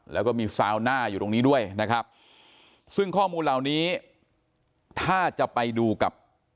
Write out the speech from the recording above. แล้วก็มีซาวน่าอยู่ตรงนี้ด้วยนะครับซึ่งข้อมูลเหล่านี้ถ้าจะไปดูกับ